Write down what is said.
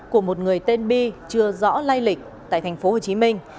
của một người tên bi chưa rõ lai lịch tại tp hcm